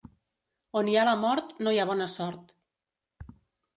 On hi ha la mort no hi ha bona sort.